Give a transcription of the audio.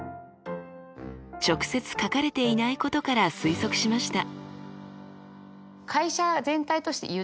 直接書かれていないことから推測しました。